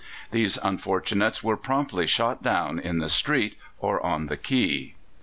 These unfortunates were promptly shot down in the street or on the quay.